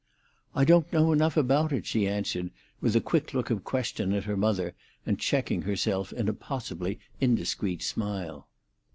"I don't know enough about it," she answered, with a quick look of question at her mother, and checking herself in a possibly indiscreet smile.